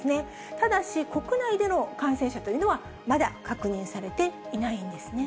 ただし、国内での感染者というのは、まだ確認されていないんですね。